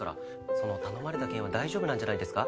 その頼まれた件は大丈夫なんじゃないですか？